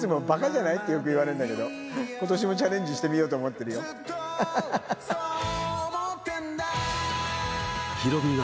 ＦＡしとく？って言ったら、いつもばかじゃないってよく言われるんだけど、ことしもチャレンジしてみようと思ってるよ。